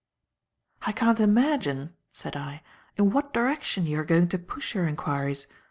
"I can't imagine," said I, "in what direction you are going to push your inquiries.